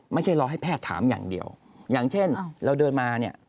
ไม่ใช่รอให้แพทย์ถามอย่างเดียวอย่างเช่นเราเดินมาเนี่ย